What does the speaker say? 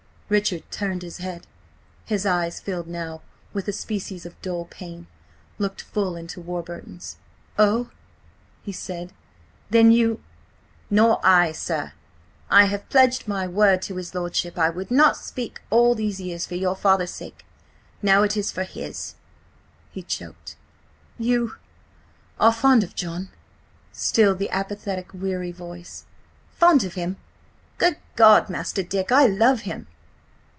Richard turned his head. His eyes, filled now with a species of dull pain, looked full into Warburton's. "Oh?" he said. "Then you. ..?" "Nor I, sir. I have pledged my word to his lordship. I would not speak all these years for your father's sake–now it is for his." He choked. "You. .. are fond of John?" Still the apathetic, weary voice. "Fond of him? Good God, Master Dick, I love him!"